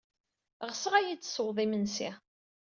Ɣseɣ ad iyi-d-tessewwed imensi.